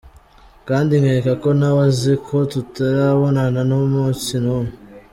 Kandi nkeka ko nawe azi ko tutarabonana n’umunsi n’umwe.